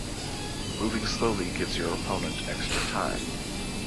Moving slowly gives your opponent extra time.